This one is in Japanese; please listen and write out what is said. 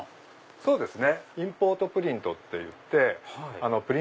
そうですね。